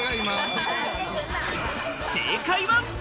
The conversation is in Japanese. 正解は？